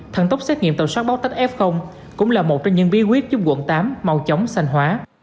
thần tốc xét nghiệm tàu sát báo techf cũng là một trong những bí quyết giúp quận tám mau chóng sanh hóa